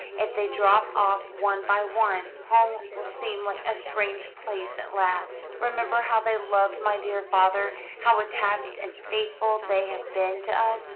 If they drop off one by one home will seem like a strange place at last. Remember how they loved my dear father, how attached and faithful they have been to us.